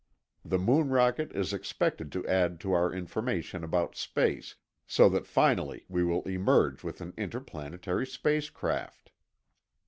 The moon rocket is expected to add to our information about space, so that finally we will emerge with an interplanetary space craft.